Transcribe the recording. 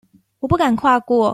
我不敢跨過